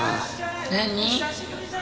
何？